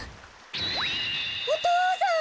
お父さん。